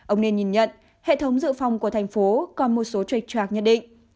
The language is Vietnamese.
ông nên nhìn nhận hệ thống dự phòng của thành phố còn một số trach trạc nhất định